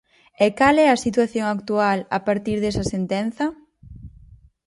¿E cal é a situación actual a partir desa sentenza?